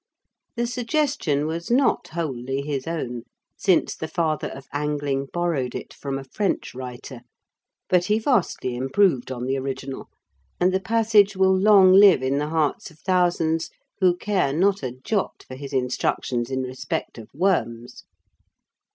The suggestion was not wholly his own, since the father of angling borrowed it from a French writer; but he vastly improved on the original, and the passage will long live in the hearts of thousands who care not a jot for his instructions in respect of worms.